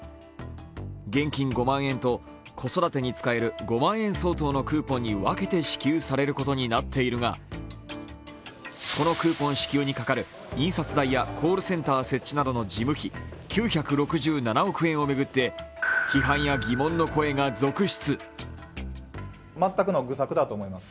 現金５万円と子育てに使える５万円相当のクーポンに分けて支給されることになっているがこのクーポン支給にかかる印刷代やコールセンター設置などの事務費用９６７億円を巡って批判や疑問の声が続出。